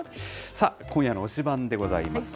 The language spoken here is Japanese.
さあ、今夜の推しバン！でございます。